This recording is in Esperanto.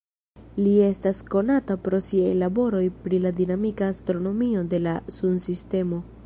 Li estas konata pro siaj laboroj pri la dinamika astronomio de la Sunsistemo.